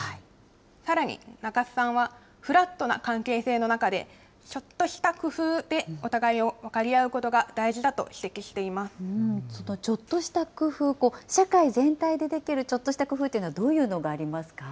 さらに中津さんは、フラットな関係性の中で、ちょっとした工夫でお互いを分かり合うことが大事だと指摘していそのちょっとした工夫、社会全体でできるちょっとした工夫というのは、どういうのがあります